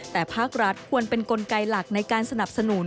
แต่ภาครัฐควรเป็นกลไกหลักในการสนับสนุน